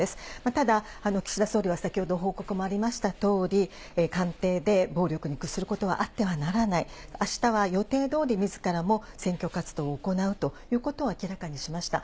ただ、岸田総理は先ほど、報告もありましたとおり、官邸で暴力に屈することはあってはならない、あしたは予定どおり、みずからも選挙活動を行うということを明らかにしました。